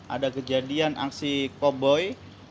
ada kejadian aksi koboi